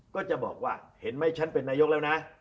ก็จะบอกว่าเห็นไหมฉันเป็นนายกแล้วนะ